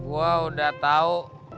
wah udah tau